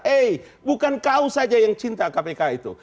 eh bukan kau saja yang cinta kpk itu